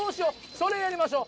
それやりましょう！